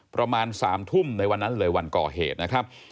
ประมาณ๓ทุ่มในวันนั้นเลยวันก่อเหตุนะครับ